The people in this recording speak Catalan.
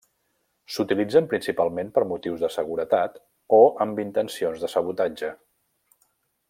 S'utilitzen principalment per motius de seguretat o amb intencions de sabotatge.